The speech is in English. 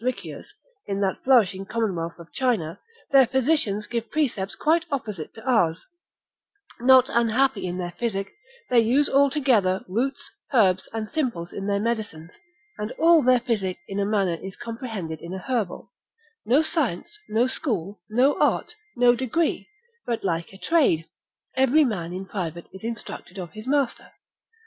Riccius, in that flourishing commonwealth of China, their physicians give precepts quite opposite to ours, not unhappy in their physic; they use altogether roots, herbs, and simples in their medicines, and all their physic in a manner is comprehended in a herbal: no science, no school, no art, no degree, but like a trade, every man in private is instructed of his master.